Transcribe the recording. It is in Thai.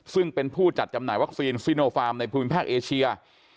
ซึ่งเป็นผู้จัดจำหน่ายวัคซีนซิโนฟาร์มในภูมิภาคเอเชีย